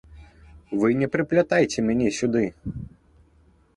Вы не прыплятайце мяне сюды.